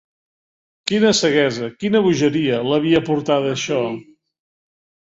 Quina ceguesa, quina bogeria, l'havia portada a això!